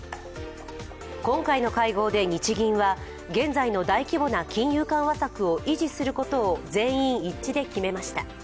今回の会合で日銀は現在の大規模な金融緩和策を維持することを全員一致で決めました。